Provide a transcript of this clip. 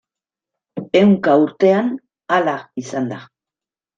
Ehunka urtean hala izan da.